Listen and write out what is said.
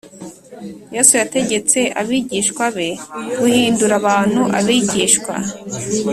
Yesu yategetse abigishwa be guhindura abantu abigishwa